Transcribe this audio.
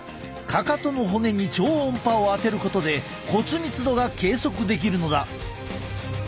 かかとの骨に超音波を当てることで骨密度が計測できるのだ。